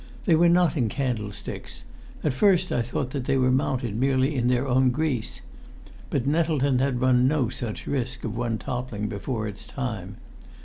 They were not in candlesticks; at first I thought that they were mounted merely in their own grease. But Nettleton had run no such risk of one toppling before its time.